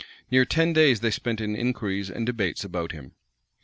Near ten days they spent in inquiries and debates about him.